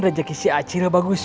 rejeki si acil bagus